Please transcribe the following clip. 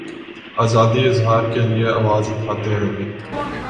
آزادیٔ اظہار کیلئے آواز اٹھاتے رہے۔